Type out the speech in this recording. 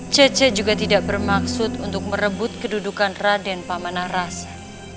caca juga tidak bermaksud untuk merebut kedudukan raden pamanarase